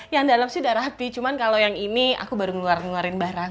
yang dalam sih udah rapi cuman kalo yang ini aku baru ngeluarin ngeluarin barang